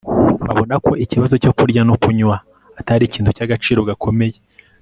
babona ko ikibazo cyo kurya no kunywa atari ikintu cy'agaciro gakomeye